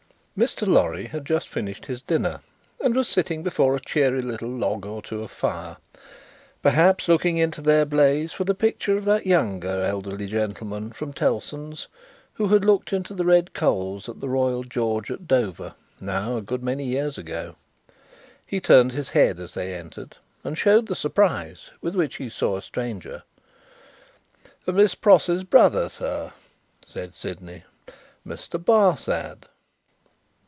Mr. Lorry had just finished his dinner, and was sitting before a cheery little log or two of fire perhaps looking into their blaze for the picture of that younger elderly gentleman from Tellson's, who had looked into the red coals at the Royal George at Dover, now a good many years ago. He turned his head as they entered, and showed the surprise with which he saw a stranger. "Miss Pross's brother, sir," said Sydney. "Mr. Barsad."